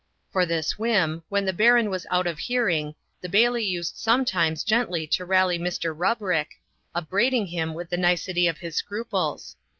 For this whim, when the Baron was out of hearing, the Bailie used sometimes gently to rally Mr. Rubrick, upbraiding him with the nicety of his scruples.